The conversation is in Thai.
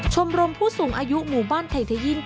ชมรมผู้สูงอายุหมู่บ้านไทยเทยิน